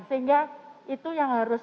sehingga itu yang harus